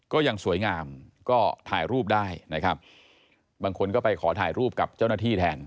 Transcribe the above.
ก็ยังสวยงามก็ถ่ายรูปได้นะครับบางคนก็ไปขอถ่ายรูปกับเจ้าหน้าที่แทน